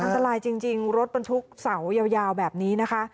อันตรายจริงรถบรรทุกเสายาวแบบนี้นะคะ